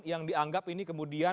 yang dianggap ini kemudian